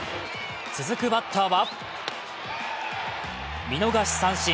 続くバッターは見逃し三振。